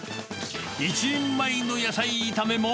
１人前の野菜炒めも。